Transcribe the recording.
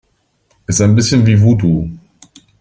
Es ist ein bisschen wie Voodoo.